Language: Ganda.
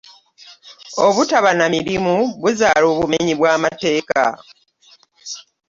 Obutaba na mirimu buzaala obumenyi bwa mateeka.